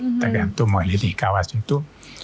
ketegantung mau ini di kawasan itu